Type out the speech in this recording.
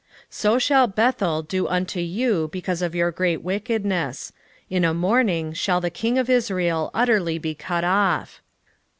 10:15 So shall Bethel do unto you because of your great wickedness: in a morning shall the king of Israel utterly be cut off.